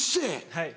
はい。